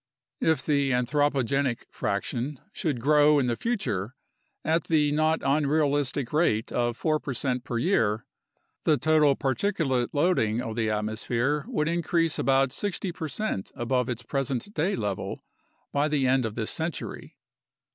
If the anthropogenic fraction should grow in the future at the not unrealistic rate of 4 percent per year, the total particulate loading 44 UNDERSTANDING CLIMATIC CHANGE of the atmosphere could increase about 60 percent above its present day level by the end of this century.